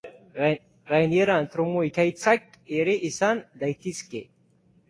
Gainera, trumoi-ekaitzak ere izan daitezke.